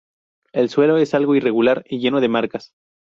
El suelo es algo irregular y lleno de marcas.